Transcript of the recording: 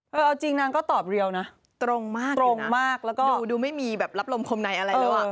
เอาจริงนางก็ตอบเรียวนะตรงมากตรงมากแล้วก็ดูไม่มีแบบรับลมคมในอะไรแล้วอ่ะ